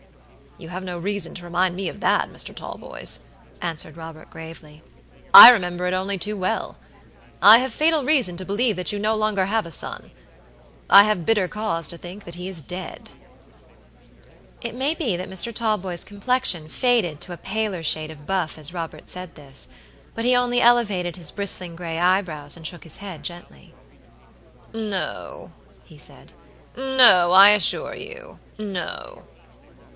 "You have no reason to remind me of that, Mr. Talboys," answered Robert, gravely; "I remember it only too well. I have fatal reason to believe that you have no longer a son. I have bitter cause to think that he is dead." It may be that Mr. Talboys' complexion faded to a paler shade of buff as Robert said this; but he only elevated his bristling gray eyebrows and shook his head gently. "No," he said, "no, I assure you, no."